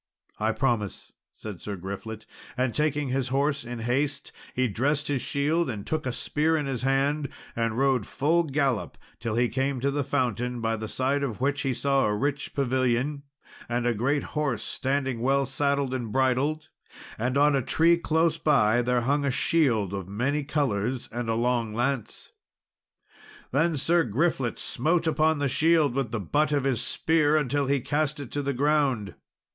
"I promise," said Sir Griflet; and taking his horse in haste, he dressed his shield, and took a spear in his hand and rode full gallop till he came to the fountain, by the side of which he saw a rich pavilion, and a great horse standing well saddled and bridled, and on a tree close by there hung a shield of many colours and a long lance. Then Sir Griflet smote upon the shield with the butt of his spear until he cast it to the ground.